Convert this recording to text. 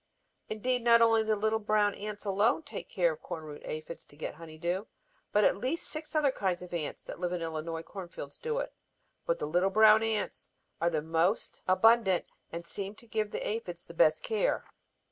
Indeed not only the little brown ants alone take care of the corn root aphids to get honey dew, but at least six other kinds of ants that live in the Illinois corn fields do it. But the little brown ants are the most abundant and seem to give the aphids the best care."